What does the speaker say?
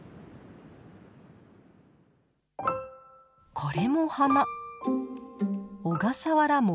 これも花。